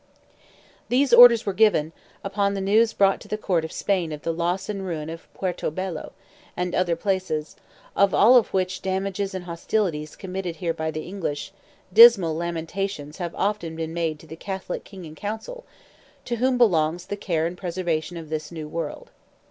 "These orders were given, upon the news brought to the court of Spain of the loss and ruin of Puerto Bello, and other places; of all which damages and hostilities committed here by the English, dismal lamentations have often been made to the catholic king and council, to whom belongs the care and preservation of this new world.